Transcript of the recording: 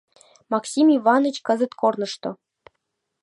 Максим Иваныч кызыт корнышто.